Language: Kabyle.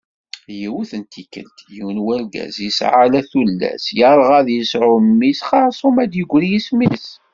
Yiwet n tikkelt, yiwen n urgaz, yesεa ala tullas, yerγa ad yesεu mmi-s, xersum ad d-yegri yisem-is.